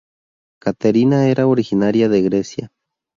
Caterina era originaria de Grecia.